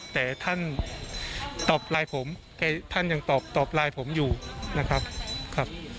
แต่ท่านตอบไลน์ผมแต่ท่านยังตอบไลน์ผมอยู่นะครับครับ